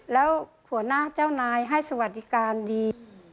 แล้วหัวหน้าเจ้านายให้สวัสดิการดี